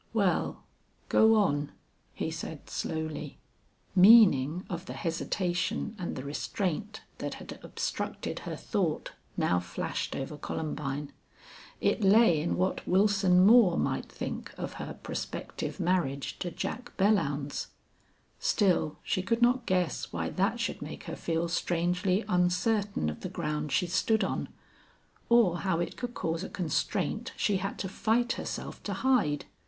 Well, go on," he said, slowly. Meaning of the hesitation and the restraint that had obstructed her thought now flashed over Columbine. It lay in what Wilson Moore might think of her prospective marriage to Jack Belllounds. Still she could not guess why that should make her feel strangely uncertain of the ground she stood on or how it could cause a constraint she had to fight herself to hide.